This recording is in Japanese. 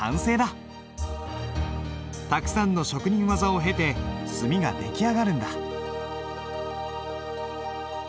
たくさんの職人技を経て墨が出来上がるんだ。